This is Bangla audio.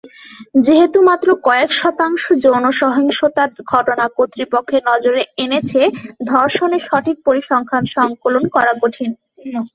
যেহেতু মাত্র কয়েক শতাংশ যৌন সহিংসতার ঘটনা কর্তৃপক্ষের নজরে এনেছে, ধর্ষণের সঠিক পরিসংখ্যান সংকলন করা কঠিন।